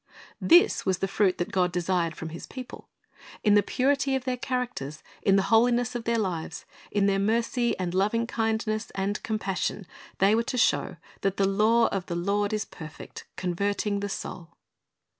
"' This was the fruit that God desired from His people. In the purity of their characters, in the holiness of their lives, in their mercy and loving kindness and compassion, they were to show that "the law of the Lord is perfect, converting the soul."